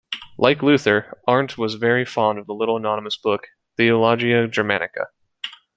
Like Luther, Arndt was very fond of the little anonymous book, "Theologia Germanica".